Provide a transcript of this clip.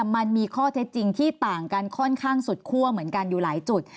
มันมีข้อเท็จจริงที่ต่างกันค่อนข้างสุดคั่วเหมือนกันอยู่หลายจุด